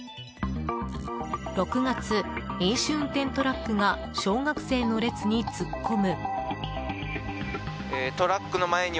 ６月、飲酒運転トラックが小学生の列に突っ込む。